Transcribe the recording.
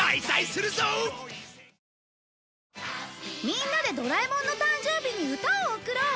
みんなでドラえもんの誕生日に歌を贈ろう。